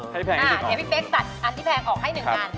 ให้พี่เป๊กตัดอันที่แพงออกให้๑คราว